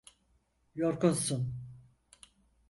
Yorgunsun.